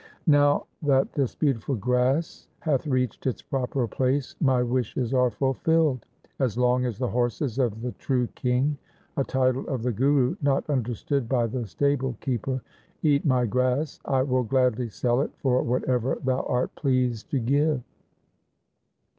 Now that this beautiful grass hath reached its proper place my wishes are fulfilled. As long as the horses of the true King '— a title of the Guru not understood by the stable keeper —' eat my grass, I will gladly sell it for whatever thou art pleased to give.'